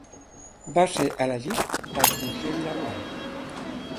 Va ser elegit pel consell laboral.